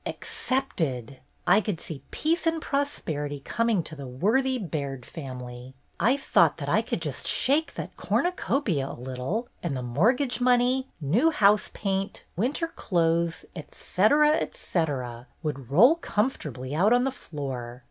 Accepted ! I could see Peac.e and Prosperity coming to the worthy Baird family! I thought that I could just shake that cornucopia a little, and the mort gage money, new house paint, winter clothes, etc., etc., would roll comfortably out on the floor.